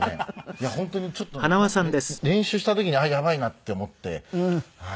いや本当にちょっとね練習した時にあっやばいなって思って。